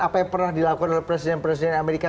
apa yang pernah dilakukan oleh presiden presiden amerika